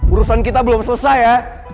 urusan kita belum selesai ya